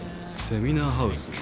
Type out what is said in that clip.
セミナーハウス？